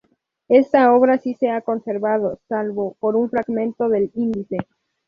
Esta obra si se ha conservado, salvo por un fragmento del índice.